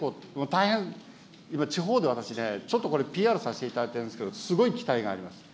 大変、今、地方で、私ね、ちょっとこれ、ＰＲさせていただいてるんですけれども、すごい期待があります。